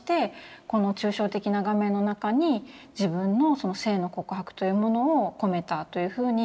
この抽象的な画面の中に自分のその性の告白というものを込めたというふうに語っています。